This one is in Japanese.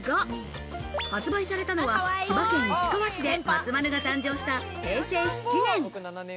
発売されたのは、千葉県市川市で松丸が誕生した平成７年。